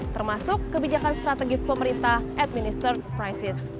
termasuk kebijakan strategis pemerintah administer crisis